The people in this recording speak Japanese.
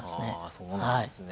そうなんですね。